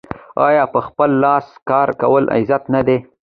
آیا په خپل لاس کار کول عزت نه دی؟